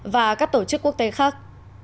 và các tổ chức quốc tế khác